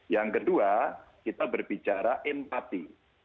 yang kedua kita berbicara empati